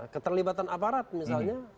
keterlibatan aparat misalnya